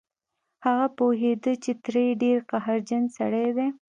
هغه پوهېده چې تره يې ډېر قهرجن سړی دی.